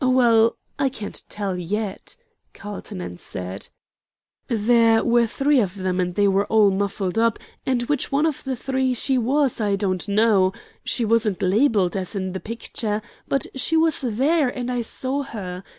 "Well, I can't tell yet," Carlton answered. "There were three of them, and they were all muffled up, and which one of the three she was I don't know. She wasn't labelled, as in the picture, but she was there, and I saw her.